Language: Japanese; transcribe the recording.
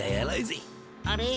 あれ？